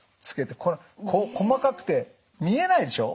細かくて見えないでしょ？